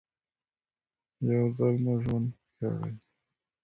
يو ځل مو ژوندي کړي.